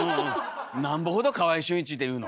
なんぼほど「川合俊一」って言うの。